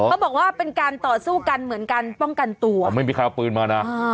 เขาบอกว่าเป็นการต่อสู้กันเหมือนกันป้องกันตัวไม่มีใครเอาปืนมานะ